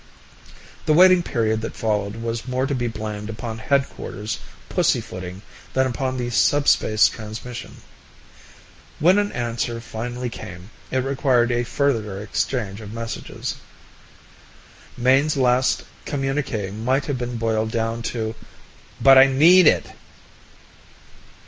The waiting period that followed was more to be blamed upon headquarters pussyfooting than upon the subspace transmission. When an answer finally came, it required a further exchange of messages. Mayne's last communique might have been boiled down to, "But I need it!"